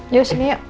yuk sini yuk